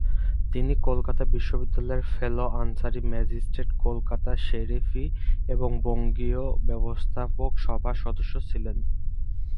তিনি কলকাতা বিশ্ববিদ্যালয়ের fellow, honorary magistrate, কলকাতার শেরিফ এবং বঙ্গীয় ব্যবস্থাপক সভার সদস্য ছিলেন।